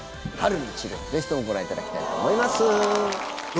ぜひともご覧いただきたいと思います。